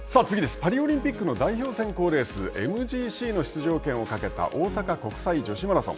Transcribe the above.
パリオリンピックの代表選考レースＭＧＣの出場権をかけた大阪国際女子マラソン。